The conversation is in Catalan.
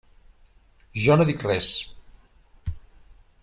Jo no dic res.